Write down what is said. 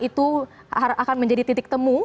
itu akan menjadi titik temu